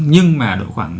nhưng mà độ khoảng năm